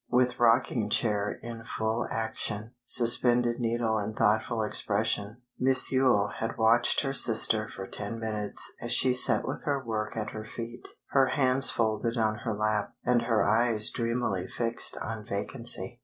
With rocking chair in full action, suspended needle and thoughtful expression, Miss Yule had watched her sister for ten minutes as she sat with her work at her feet, her hands folded on her lap, and her eyes dreamily fixed on vacancy.